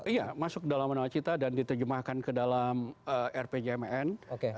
iya masuk dalam nawacita dan diterjemahkan ke dalam rpjmn